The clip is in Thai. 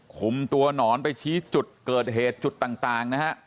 คุมตัวหนอนไปชี้จุดเกิดเหตุจุดต่างนะฮะ